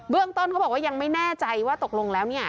ต้นเขาบอกว่ายังไม่แน่ใจว่าตกลงแล้วเนี่ย